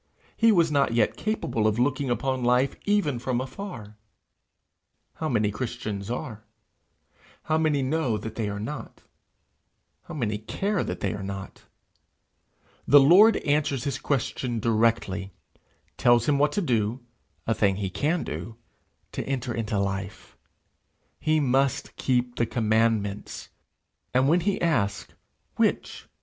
He was not yet capable of looking upon life even from afar! How many Christians are? How many know that they are not? How many care that they are not? The Lord answers his question directly, tells him what to do a thing he can do to enter into life: he must keep the commandments! and when he asks, 'Which?'